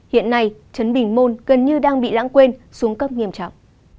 hiện nay chấn bình môn gần như đang bị lãng quên xuống cấp nghiêm trọng